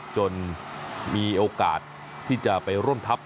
จนมีโอกาสที่จะไปร่วมทัพ